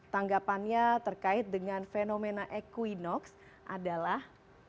tanggapannya terkait dengan fenomena equinox adalah